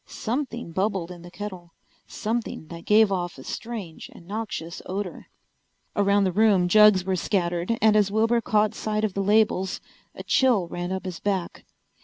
Something bubbled in the kettle, something that gave off a strange and noxious odor. Around the room jugs were scattered, and as Wilbur caught sight of the labels a chill ran up his back.